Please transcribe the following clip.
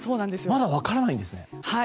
まだ分からないんですね。